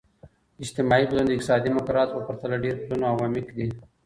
اجتماعي بدلون د اقتصادي مقرراتو په پرتله ډیر پلنو او عمیق دی.